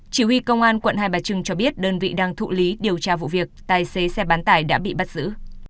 chỉ huy công an quận hai bà trưng cho biết đơn vị đang thụ lý điều tra vụ việc tài xế xe bán tải đã bị bắt giữ